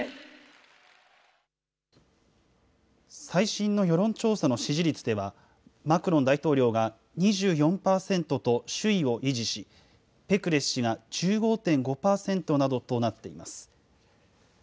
最新の世論調査の支持率では、マクロン大統領が２４％と首位を維持し、ペクレス氏が１５．５％などとなっています。